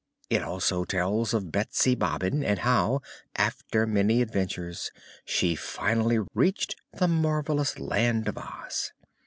It also tells of Betsy Bobbin and how, after many adventures, she finally reached the marvelous Land of Oz.